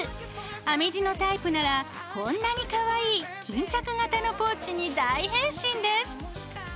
編み地のタイプならこんなにかわいい巾着型のポーチに大変身です。